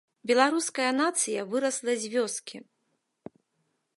Беларуская нацыя вырасла з вёскі.